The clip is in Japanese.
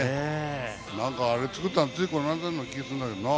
なんかあれ、作ったの、ついこの間の気がするんだけどな。